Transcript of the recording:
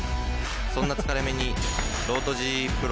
そんな疲れ目に。